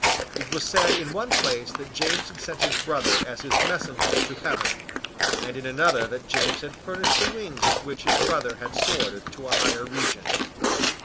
It was said in one place that James had sent his brother as his messenger to heaven, and in another that James had furnished the wings with which his brother had soared to a higher region.